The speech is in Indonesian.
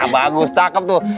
bagus cakep tuh